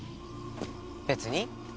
別に。